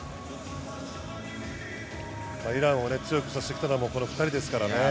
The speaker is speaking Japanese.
イランを強くさせてきたのはこの２人ですからね。